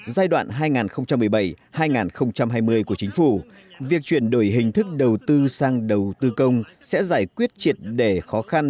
giai đoạn hai nghìn một mươi bảy hai nghìn hai mươi của chính phủ việc chuyển đổi hình thức đầu tư sang đầu tư công sẽ giải quyết triệt đề khó khăn